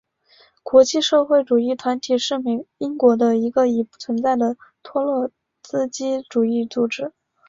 国际社会主义团体是英国的一个已不存在的托洛茨基主义组织。